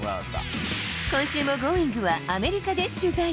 今週もＧｏｉｎｇ！はアメリカで取材。